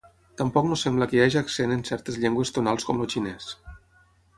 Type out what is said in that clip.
Tampoc no sembla que hi haja accent en certes llengües tonals com el xinès.